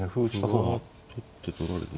これは取って取られて。